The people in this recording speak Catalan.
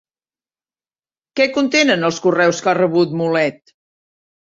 Què contenen els correus que ha rebut Mulet?